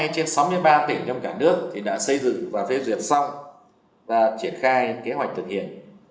hai mươi trên sáu mươi ba tỉnh trong cả nước thì đã xây dựng và phê duyệt xong và triển khai kế hoạch thực hiện